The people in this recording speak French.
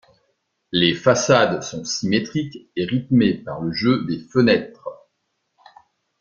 Les façades sont symétriques et rythmées par le jeu des fenêtres.